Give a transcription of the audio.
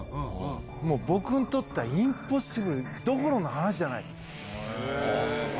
もう僕にとってはインポッシブルどころの話じゃないです。